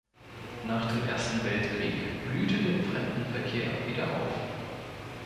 Nach dem Ersten Weltkrieg blühte der Fremdenverkehr wieder auf.